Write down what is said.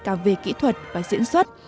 còn non nớt cả về kỹ thuật và diễn xuất